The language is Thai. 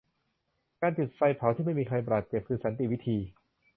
การจุดไฟเผาที่ไม่มีใครบาดเจ็บ คือสันติวิธี